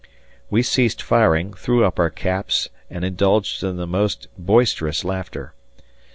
We ceased firing, threw up our caps, and indulged in the most boisterous laughter.